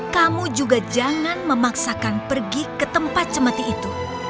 kamu juga jangan memaksakan pergi ke tempat cemati itu